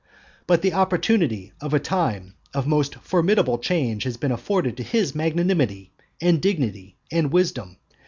But the opportunity of a time of most formidable change has been afforded to his magnanimity, and dignity, and wisdom.